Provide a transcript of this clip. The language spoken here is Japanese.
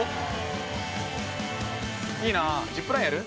いいなー、ジップラインやる？